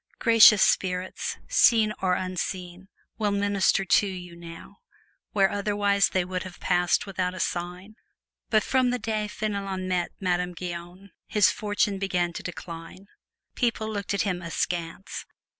Gracious spirits, seen or unseen, will minister to you now, where otherwise they would have passed without a sign! But from the day Fenelon met Madame Guyon his fortune began to decline. People looked at him askance.